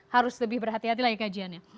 harus lebih berhati hati lagi kajiannya